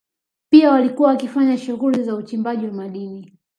Pia walikuwa wakifanya shughuli za uchimbaji wa madini